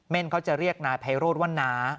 เขาจะเรียกนายไพโรธว่าน้า